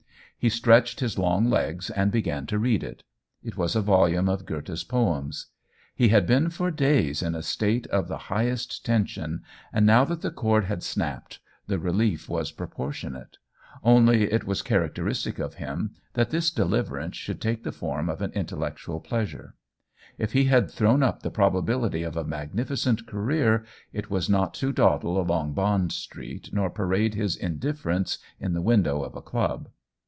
He stretched his long legs and began to read it ; it was a volume of Goethe's poems. He had been for days in OWEN WINGRAVE 153 a state of the highest tension, and now that the cord had snapped the relief was propor tionate; only it was characteristic of him that this deliverance should take the form of an intellectual pleasure. If he had thrown up the probability of a magnificent career, it was not to dawdle along Bond Street nor parade his indifference in the window of a club.